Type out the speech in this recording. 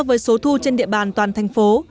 với số thu trên địa bàn toàn thành phố